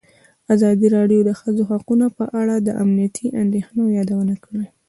ازادي راډیو د د ښځو حقونه په اړه د امنیتي اندېښنو یادونه کړې.